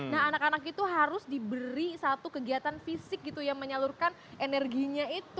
nah anak anak itu harus diberi satu kegiatan fisik gitu ya menyalurkan energinya itu